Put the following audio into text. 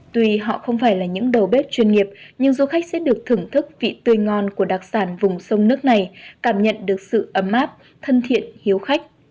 tuy họ không phải là những đầu bếp chuyên nghiệp nhưng du khách sẽ được thưởng thức vị tươi ngon của đặc sản vùng sông nước này cảm nhận được sự ấm áp thân thiện hiếu khách